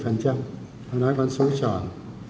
nói con số tròn